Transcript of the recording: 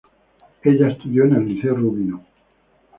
Ella estudio en el Liceo Rubino.